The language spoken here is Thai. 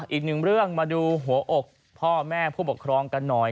อีกหนึ่งเรื่องมาดูหัวอกพ่อแม่ผู้ปกครองกันหน่อย